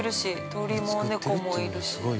鳥も猫もいるし。